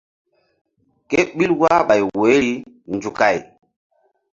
Ké ɓil wahɓay woyri nzukay.